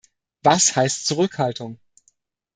Was heißt Zurückhaltung?